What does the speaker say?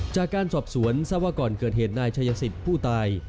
จากการสอบสวนทราบว่าก่อนเกิดเหตุนายชายสิทธิ์ผู้ตาย